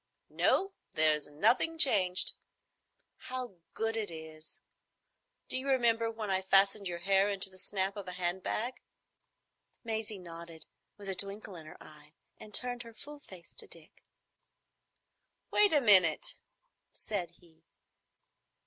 "No, there's nothing changed. How good it is! D'you remember when I fastened your hair into the snap of a hand bag?" Maisie nodded, with a twinkle in her eyes, and turned her full face to Dick. "Wait a minute," said he.